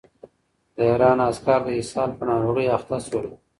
د ایران عسکر د اسهال په ناروغۍ اخته شول.